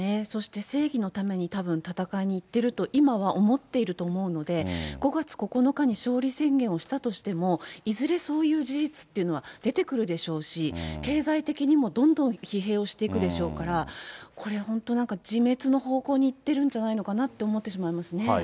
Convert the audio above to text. そして正義のためにたぶん戦いに行っていると、今は思ってると思うので、５月９日に勝利宣言をしたとしても、いずれそういう事実っていうのは出てくるでしょうし、経済的にもどんどん疲弊をしていくでしょうから、これ、本当なんか、自滅の方向にいってるんじゃないのかなと思ってしまいますね。